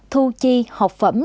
thu chi học phẩm